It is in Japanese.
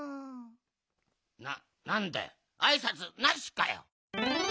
ななんだよあいさつなしかよ。